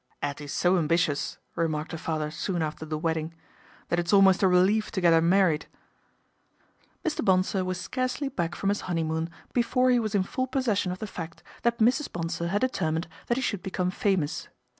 'Ettie's so ambitious." remarked her father soon after the wedding, " that it's almost a relief to get 'er married." Mr. Bonsor was scarcely back from his honey moon before he was in full possession of the fact that Mrs. Bonsor had determined that he should become famous.